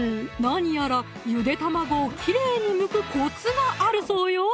何やらゆで卵をきれいにむくコツがあるそうよ